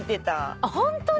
あっホントに？